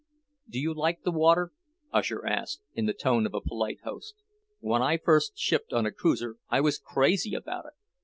"Do you like the water?" Usher asked, in the tone of a polite host. "When I first shipped on a cruiser I was crazy about it.